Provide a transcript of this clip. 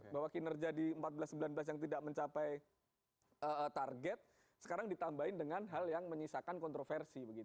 bahwa kinerja di empat belas sembilan belas yang tidak mencapai target sekarang ditambahin dengan hal yang menyisakan kontroversi